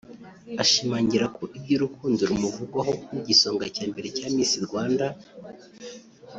ashimangira ko iby’urukundo rumuvugwaho n’Igisonga cya mbere cya Miss Rwanda